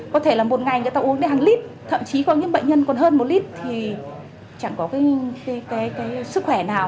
có thể là một ngày người ta uống đi hàng lit thậm chí có những bệnh nhân còn hơn một lít thì chẳng có cái sức khỏe nào